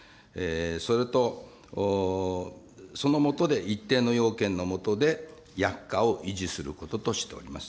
それと、その下で、一定の要件の下で薬価を維持することとしております。